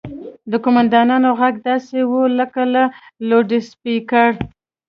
د قوماندان غږ داسې و لکه له لوډسپيکره.